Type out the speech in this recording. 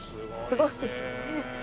すごいですね。